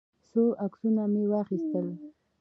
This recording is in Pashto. څو عکسونه مې واخیستل.